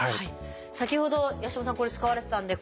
先ほど八嶋さんこれ使われてたんで。